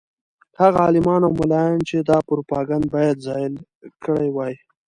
هغه عالمان او ملایان چې دا پروپاګند باید زایل کړی وای.